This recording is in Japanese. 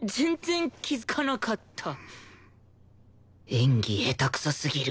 演技下手くそすぎる